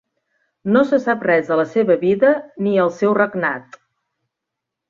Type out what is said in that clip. No se sap res de la seva vida ni el seu regnat.